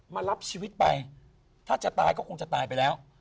มารับชีวิตไปถ้าจะตายก็คงจะตายไปแล้ว